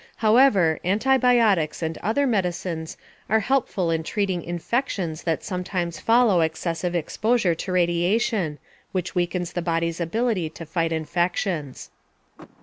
However, antibiotics and other medicines are helpful in treating infections that sometimes follow excessive exposure to radiation (which weakens the body's ability to fight infections).